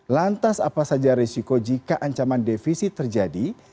lantas apa saja risiko jika ancaman defisit terjadi